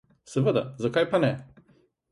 Seveda, zakaj pa ne?